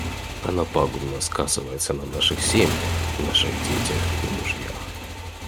Она пагубно сказывается на наших семьях, наших детях и мужьях.